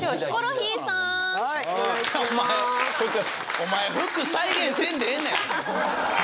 お前服再現せんでええねん！